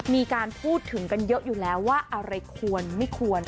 มีการพูดถึงกันเยอะอยู่แล้วว่าอะไรควรไม่ควร